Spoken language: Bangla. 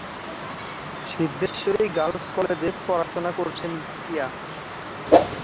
সিদ্ধেশ্বরী গার্লস কলেজে পড়াশোনা করছেন পিয়া।